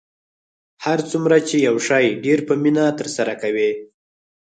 هر څومره چې یو شی ډیر په مینه ترسره کوئ